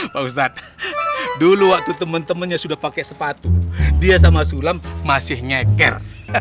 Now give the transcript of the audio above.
pak ustadz dulu waktu temen temennya sudah pakai sepatu dia sama sulam masih ngeker